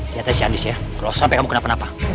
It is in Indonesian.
lihat aja si andis ya kalau sampai kamu kenapa kenapa